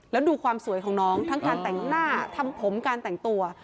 แล้วดูความสวยของน้องทั้งการแต่งหน้าทำผมการแต่งตัว